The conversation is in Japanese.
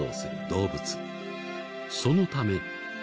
そのため。